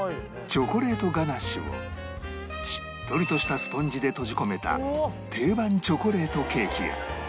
チョコレートガナッシュをしっとりとしたスポンジで閉じ込めた定番チョコレートケーキや